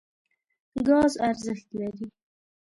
ګاز ارزښت لري.